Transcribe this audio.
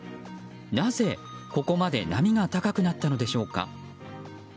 なぜ、ここまで波が高くなったのでしょうか。